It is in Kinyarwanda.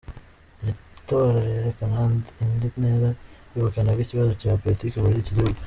Iri tora rirerekana indi ntera y’ubukana bw’ikibazo cya politike muri iki gihugu.